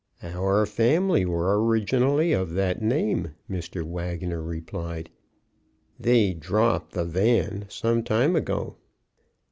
"Our family were originally of that name," Mr. Wagoner replied. "They dropped the Van some time ago."